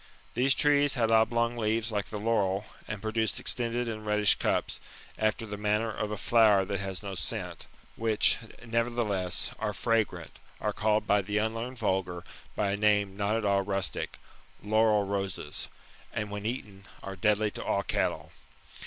These trees had oblong leaves like the laurel, and produced extended and reddish cups, after the manner of a flower that has no scent ; which, nevertheless, are fragrant, are called by the unlearned vulgar by a name not at all rustic, laurel roses, and when eaten, are deadly to all cattle.